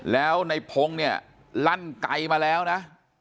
แล้วในพงศ์เนี่ยลั่นไกลมาแล้วนะ